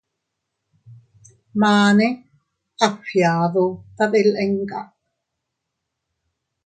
Mane a fgiadu tadilika.